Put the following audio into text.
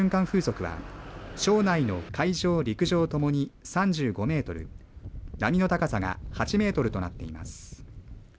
風速は庄内の海上、陸上ともに３５メートル波の高さが８メートルとなっています。